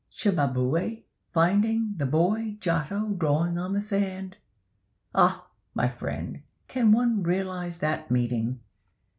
"Cimabue finding the boy Giotto drawing on the sand. Ah! my friend, can one realize that meeting?